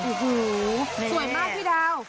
สวยมากพี่ดาว